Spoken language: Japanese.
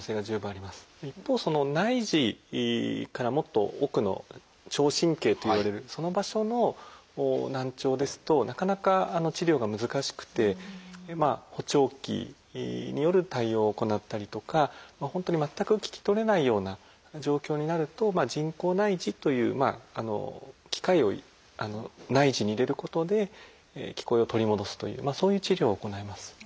一方その内耳からもっと奥の聴神経といわれるその場所の難聴ですとなかなか治療が難しくて補聴器による対応を行ったりとか本当に全く聞き取れないような状況になると人工内耳という機械を内耳に入れることで聞こえを取り戻すというそういう治療を行います。